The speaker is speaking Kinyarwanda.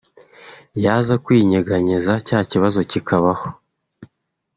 yaza kwinyeganyeza cya kibazo kikabaho